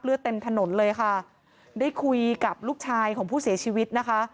เต็มถนนเลยค่ะได้คุยกับลูกชายของผู้เสียชีวิตนะคะ